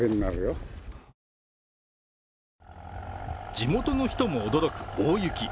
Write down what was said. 地元の人も驚く大雪。